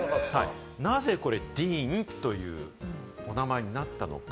なぜこれ、ＤＥＡＮというお名前になったのか？